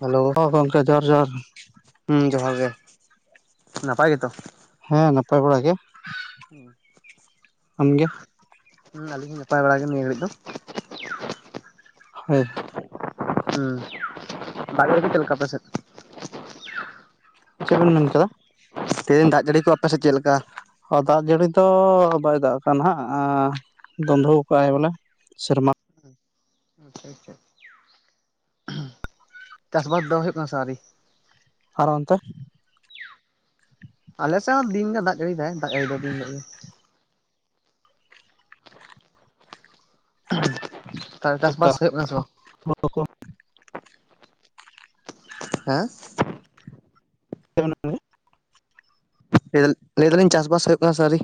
Hello ᱦᱚᱸ ᱜᱚᱝᱠᱮ ᱡᱚᱦᱟᱨ ᱡᱚᱦᱟᱨ ᱦᱩᱸ ᱡᱚᱦᱟᱨ ᱜᱮ ᱱᱟᱯᱟᱭ ᱜᱮᱛᱚ ᱦᱮᱸ ᱱᱟᱯᱟᱭ ᱵᱟᱲᱟ ᱜᱮ ᱟᱢᱜᱮ ᱦᱩᱸ ᱟᱹᱞᱤᱧ ᱦᱚᱸ ᱱᱟᱯᱟᱭ ᱵᱟᱲᱟ ᱜᱮ ᱱᱤᱭᱟᱹ ᱜᱷᱟᱹᱲᱤᱡ ᱫᱚ᱾ ᱦᱳᱭ ᱦᱩᱸ ᱫᱟᱜᱠᱮᱫᱟ ᱪᱮᱫ ᱞᱮᱠᱟ ᱟᱯᱮ ᱥᱮᱫ ᱪᱮᱫ ᱵᱮᱱ ᱢᱮᱱ ᱠᱮᱫᱟ? ᱛᱮᱦᱮᱧ ᱫᱟᱜ ᱡᱟᱹᱲᱤ ᱠᱚ ᱟᱯᱮᱥᱮᱫ ᱪᱮᱫ ᱞᱮᱠᱟ? ᱫᱟᱜ ᱡᱟᱹᱲᱤ ᱫᱚ ᱵᱟᱭ ᱫᱟᱜ ᱠᱟᱫᱟ ᱦᱟᱸᱜ ᱫᱚᱱᱫᱷᱨᱚ ᱠᱟᱜᱟᱭ ᱵᱚᱞᱮ ᱥᱮᱨᱢᱟ ᱟᱪᱪᱷᱟ ᱟᱪᱪᱷᱟ [inaudible] ᱪᱟᱥ ᱵᱟᱥ ᱫᱚ ᱦᱩᱭᱩᱜ ᱠᱟᱱᱟ ᱥᱮ ᱟᱣᱨᱤ? ᱟᱨ ᱚᱱᱛᱮ ᱟᱞᱮ ᱥᱮᱫ ᱦᱚᱸ ᱫᱤᱱᱜᱮ ᱫᱟᱜ ᱡᱟᱲᱤᱫᱟᱭ ᱫᱟᱜ ᱡᱟᱹᱲᱤᱚᱫ ᱫᱤᱱ ᱦᱤᱞᱳᱜ ᱜᱮ᱾ ᱛᱟᱦᱮ ᱪᱟᱥᱵᱟᱥ ᱦᱩᱭᱩᱜ ᱠᱟᱱᱟ ᱥᱮ ᱵᱟᱝ? [unintelligible] ᱦᱮᱸ [inaudible] ᱞᱟᱹᱭᱫᱟ ᱞᱟᱹᱭ ᱮᱫᱟᱞᱤᱧ ᱪᱟᱥᱵᱟᱥ ᱦᱩᱭᱩᱜ ᱠᱟᱱᱟ ᱥᱮ ᱟᱹᱣᱨᱤ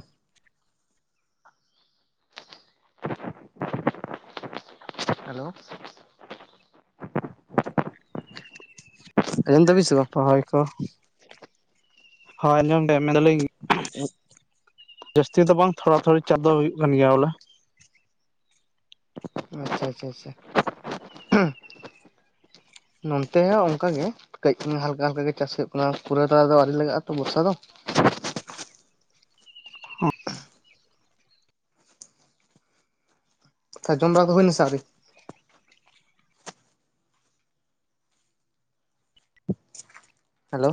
ᱦᱮᱞᱳ ᱟᱸᱡᱚᱢ ᱫᱟᱵᱤᱱ ᱥᱮ ᱵᱟᱝ? ᱨᱚᱦᱚᱭ ᱠᱚ, ᱦᱳᱭ ᱟᱸᱡᱚᱢ ᱫᱚ ᱢᱮᱱ ᱫᱟᱞᱤᱧ ᱡᱟᱹᱥᱛᱤ ᱫᱚ ᱵᱟᱝ ᱛᱷᱚᱲᱟ ᱛᱷᱚᱲᱤ ᱪᱟ ᱫᱚ ᱦᱩᱭᱩᱜ ᱠᱟᱱ ᱜᱮᱭᱟ ᱵᱚᱞᱮ, ᱟᱪᱪᱷᱟ, ᱟᱪᱪᱷᱟ, ᱟᱪᱪᱷᱟ, ᱱᱚᱱᱛᱮ ᱦᱚᱸ ᱚᱱᱠᱟ ᱜᱮ ᱠᱟᱹᱡᱽ ᱦᱟᱞᱠᱟ ᱦᱟᱞᱠᱟ ᱜᱮ ᱪᱟᱥ ᱦᱩᱭᱩᱜ ᱠᱟᱱᱟ ᱯᱩᱨᱟᱹ ᱫᱚ ᱟᱹᱨᱤ ᱞᱟᱜᱟᱜᱼᱟ ᱛᱚ ᱵᱚᱨᱥᱟ ᱫᱚ, [unintelligible] ᱛᱟ ᱡᱚᱢᱵᱟᱲᱟ ᱠᱚ ᱦᱩᱭᱱᱟᱥᱮ ᱟᱣᱨᱤ? ᱦᱮᱞᱳ ᱾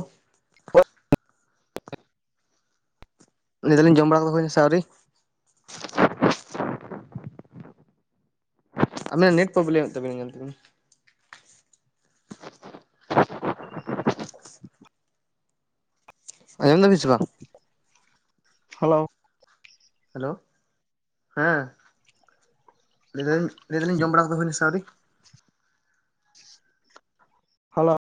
ᱞᱮ ᱫᱟᱹᱞᱤᱧ ᱡᱚᱢ ᱵᱟᱲᱟ ᱠᱚ ᱫᱚ ᱦᱩᱭᱮᱱᱟ ᱥᱮ ᱟᱹᱣᱨᱤ? ᱟᱵᱮᱱᱟᱜ ᱱᱮᱴ ᱯᱨᱚᱵᱞᱮᱢ ᱮᱫ ᱛᱟᱵᱮᱱᱟᱭ ᱧᱮᱞ ᱛᱟᱵᱤᱱ, [inaudible] ᱟᱸᱡᱚᱢ ᱫᱟᱵᱤᱱ ᱥᱮ ᱵᱟᱝ? ᱦᱮᱞᱳ, ᱦᱮᱞᱳ ᱦᱮᱸ ᱞᱟᱹᱭ ᱫᱟᱞᱤᱧ ᱞᱟᱹᱭ ᱫᱟᱞᱤᱧ ᱡᱚᱢ ᱵᱟᱲᱟ ᱠᱚᱫᱚ ᱦᱩᱭᱱᱟ ᱥᱮ ᱟᱣᱨᱤ? ᱦᱮᱞᱳ,